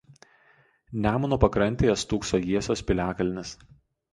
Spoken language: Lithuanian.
Nemuno pakrantėje stūkso Jiesios piliakalnis.